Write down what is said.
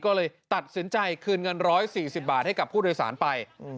ก็เลยตัดสินใจคืนเงิน๑๔๐บาทให้กับผู้โดยสารไป